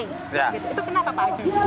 itu kenapa pak